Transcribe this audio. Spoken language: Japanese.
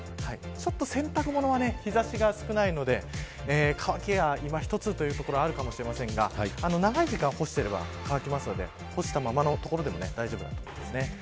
洗濯物は、日差しが少ないので乾きは今ひとつというところあるかもしれませんが長い時間干していれば乾きますので干したままのところでも大丈夫だと思います。